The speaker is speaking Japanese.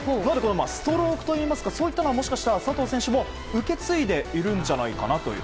ストロークといいますかそういったものを、もしかしたら佐藤選手も受け継いでいるんじゃないかなという。